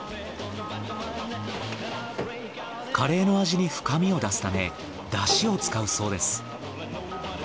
カレーの味に深みを出すため出汁を使うそうです。